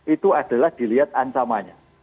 itu adalah dilihat ancamannya